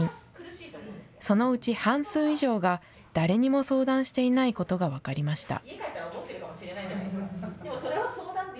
そのうち半数以上が、誰にも相談していないことが分かりました。